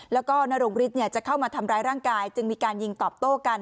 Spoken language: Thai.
แล้วก็นรงฤทธิ์จะเข้ามาทำร้ายร่างกายจึงมีการยิงตอบโต้กัน